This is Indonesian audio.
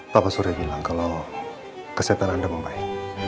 papa suri bilang kalau kesehatan anda membaik